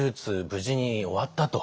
無事に終わったと。